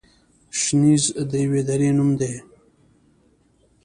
شنیز د یوې درې نوم دی.